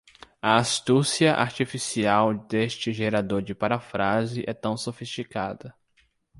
A astúcia artificial deste gerador de paráfrase é tão sofisticada